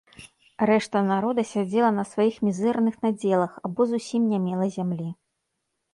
Рэшта народа сядзела на сваіх мізэрных надзелах або зусім не мела зямлі.